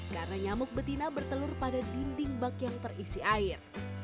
karena nyamuk betina bertelur pada dinding bak yang terisi air